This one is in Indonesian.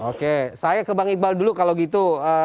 oke saya ke bang iqbal dulu kalau gitu